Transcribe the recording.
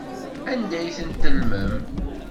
Anda ay ten-tellmem?